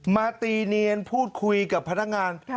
มาตีเนียนพูดคุยกับพนักงาน